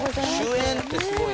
主演ってすごいね。